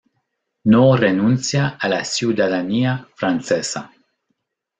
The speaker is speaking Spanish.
No renuncia a la ciudadanía francesa.